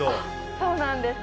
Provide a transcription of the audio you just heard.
そうなんです